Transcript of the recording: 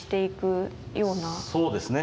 そうですね。